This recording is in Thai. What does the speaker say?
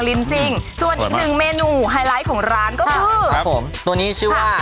ลินซิ่งส่วนอีกหนึ่งเมนูไฮไลท์ของร้านก็คือครับผมตัวนี้ชื่อว่า